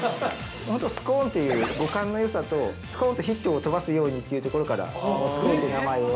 ◆スコーンという語感のよさと、スコーンとヒットを飛ばすようにというところからスコーンという名前を。